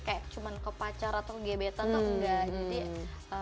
kayak cuma ke pacar atau ke gebetan tuh enggak